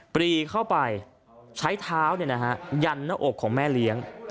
ปรีเข้าไปใช้เท้าเนี่ยนะฮะยันต์ในอกของแม่เลี้ยง